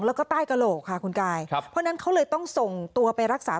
แล้วก็ใต้กระโหลกค่ะคุณกายครับเพราะฉะนั้นเขาเลยต้องส่งตัวไปรักษา